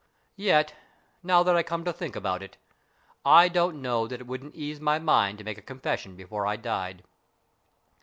Yet, now that I come to think about it, I don't know that it wouldn't ease my mind to make a confession before I died.